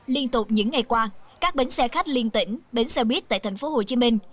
liên tục những ngày qua các bến xe khách liên tỉnh bến xe buýt tại thành phố hồ chí minh